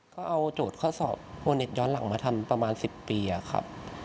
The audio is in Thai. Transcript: ก็เอาโจทย์ข้อสอบโอเน็ตย้อนหลังมาทำประมาณ๑๐ปีครับ